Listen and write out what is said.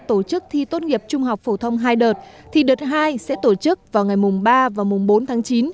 tổ chức thi tốt nghiệp trung học phổ thông hai đợt thì đợt hai sẽ tổ chức vào ngày mùng ba và mùng bốn tháng chín